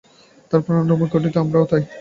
তাহারা প্রাণ-রূপ মূলবস্তু হইতে গঠিত, আমরাও তাই।